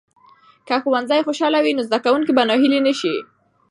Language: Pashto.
که ښوونځي خوشاله وي، نو زده کوونکي به ناهیلي نه شي.